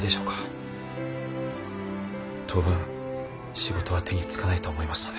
当分仕事は手につかないと思いますので。